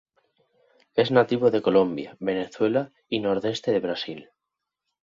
Es nativo de Colombia, Venezuela y nordeste de Brasil.